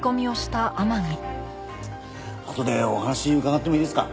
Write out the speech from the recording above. あとでお話伺ってもいいですか？